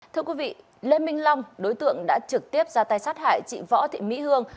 thưa quý vị lê minh long đối tượng đã trực tiếp ra tay sát hại chị võ thị mỹ hương